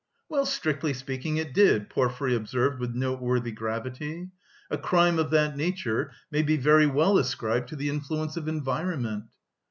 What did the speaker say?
"Well, strictly speaking, it did," Porfiry observed with noteworthy gravity; "a crime of that nature may be very well ascribed to the influence of environment."